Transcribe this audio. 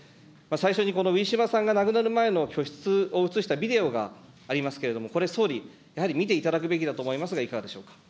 最初にこのウィシュマさんが亡くなる前の居室を写したビデオがありますけれども、これ、総理、やはり見ていただくべきだと思いま